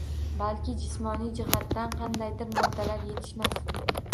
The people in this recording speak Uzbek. Balki jismoniy jihatdan qandaydir moddalar yetishmas?